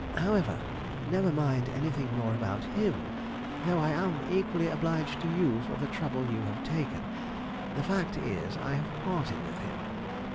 However, never mind anything more about him, though I am equally obliged to you for the trouble you have taken. The fact is, I have parted with him.